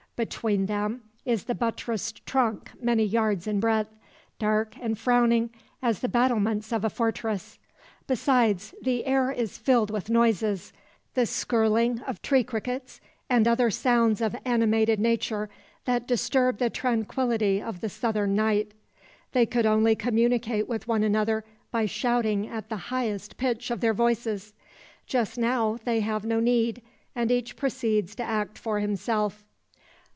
Between them is the buttressed trunk many yards in breadth, dark and frowning as the battlements of a fortress. Besides, the air is filled with noises, the skirling of tree crickets, and other sounds of animated nature that disturb the tranquillity of the southern night. They could only communicate with one another by shouting at the highest pitch of their voices. Just now they have no need, and each proceeds to act for himself.